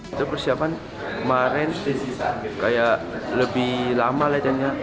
itu persiapan kemarin kayak lebih lama latihannya